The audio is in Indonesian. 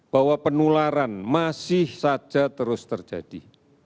bahwa penularan masih saja terus terjadi